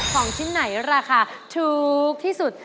ของชิ้นไหนราคาถูกที่สุด